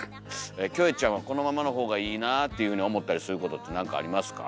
キョエちゃんはこのままの方がいいなあっていうふうに思ったりすることって何かありますか？